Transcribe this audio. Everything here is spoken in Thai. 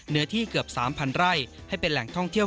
เนื้อที่เกือบ๓๐๐ไร่ให้เป็นแหล่งท่องเที่ยว